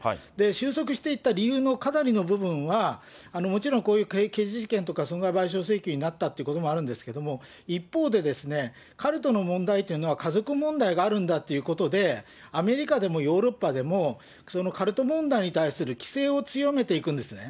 収束していった理由のかなりの部分は、もちろんこういう刑事事件とか損害賠償請求になったということもあるんですけれども、一方で、カルトの問題というのは、家族問題があるんだっていうことで、アメリカでもヨーロッパでも、カルト問題に対する規制を強めていくんですね。